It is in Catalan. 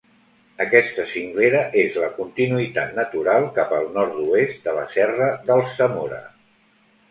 Aquesta cinglera és la continuïtat natural cap al nord-oest de la Serra d'Alsamora.